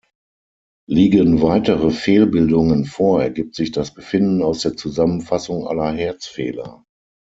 Liegen weitere Fehlbildungen vor, ergibt sich das Befinden aus der Zusammenfassung aller Herzfehler.